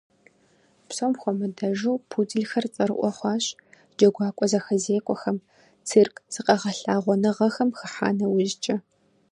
Псом хуэмыдэжу пуделхэр цӏэрыӏуэ хъуащ джэгуакӏуэ зэхэзекӏуэхэм, цирк зыкъэгъэлъагъуэныгъэхэм хыхьа нэужькӏэ.